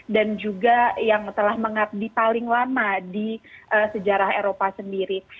dan juga yang telah mengabdi paling lama di sejarah eropa sendiri